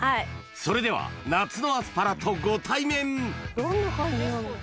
それでは夏のアスパラとご対面どういう感じなんだろう。